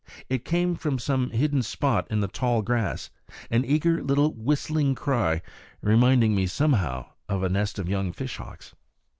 It came from some hidden spot in the tall grass, an eager little whistling cry, reminding me somehow of a nest of young fish hawks.